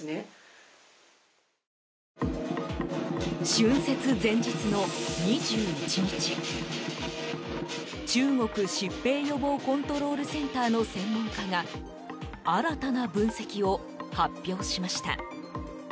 春節前日の２１日中国疾病予防コントロールセンターの専門家が新たな分析を発表しました。